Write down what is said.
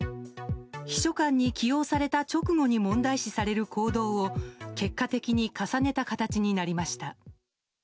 秘書官に起用された直後に問題視される行動を結果的に重ねた形になりました。